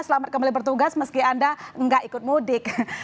selamat kembali bertugas meski anda tidak ikut mudik